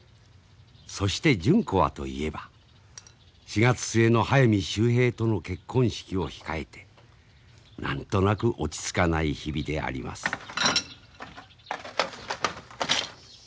そして純子はといえば４月末の速水秀平との結婚式を控えて何となく落ち着かない日々であります。